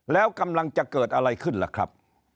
แล้วกำลังจะเกิดอะไรขึ้นล่ะครับ